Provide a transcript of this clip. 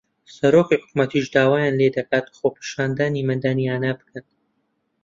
سەرۆکی حکوومەتیش داوایان لێ دەکات خۆپیشاندانی مەدەنییانە بکەن